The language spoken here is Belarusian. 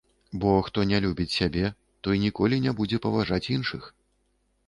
Бо хто не любіць сябе, той ніколі не будзе паважаць іншых.